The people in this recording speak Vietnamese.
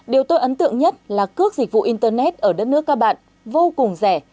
điều tôi ấn tượng nhất là cước dịch vụ internet ở đất nước các bạn vô cùng rẻ